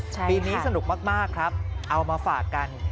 ปีนี้สนุกมากครับเอามาฝากกัน